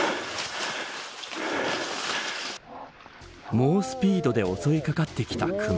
猛スピードで襲いかかってきたクマ。